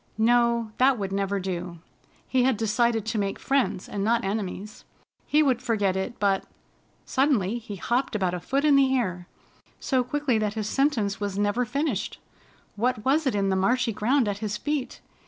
No, that would never do! He had decided to make friends and not enemies. He would forget it, but Suddenly he hopped about a foot in the air, so quickly that his sentence was never finished. What was it in the marshy ground at his feet?